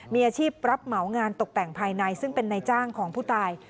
มีอาชีพรับเหมางานตกแต่งภายในซึ่งเป็นนายจ้างของผู้ตาย